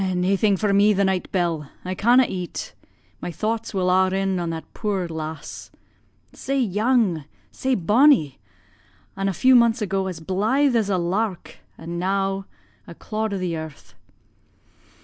"Naething for me the night, Bell I canna' eat my thoughts will a' rin on that puir lass. Sae young sae bonnie, an' a few months ago as blythe as a lark, an' now a clod o' the earth.